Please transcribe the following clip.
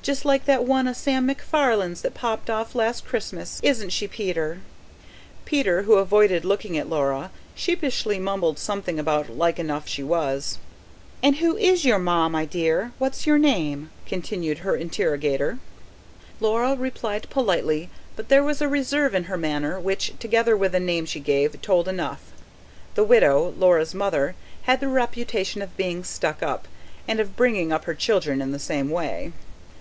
Just like that one o' Sam MacFarlane's that popped off last Christmas isn't she, Peter?" Peter, who avoided looking at Laura, sheepishly mumbled something about like enough she was. "And who IS your ma, my dear? What's your name?" continued her interrogator. Laura replied politely; but there was a reserve in her manner which, together with the name she gave, told enough: the widow, Laura's mother, had the reputation of being very "stuck up", and of bringing up her children in the same way.